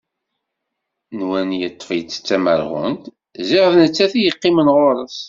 Nwan yeṭṭef-itt d tamerhunt, ziɣ d nettat i yeqqimen ɣur-s.